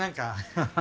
ハハハ